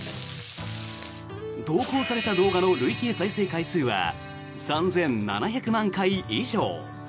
投稿された動画の累計再生回数は３７００万回以上。